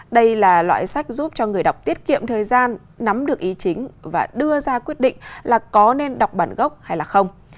đây là loại sách giúp cho người đọc tiết kiệm thời gian nắm được ý chính và đưa ra quyết định là có nên đọc bản gốc hay không